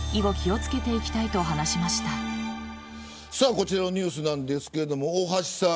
こちらのニュースなんですが大橋さん。